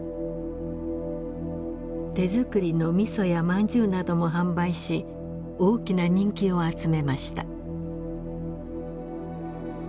手作りのみそやまんじゅうなども販売し大きな人気を集めました。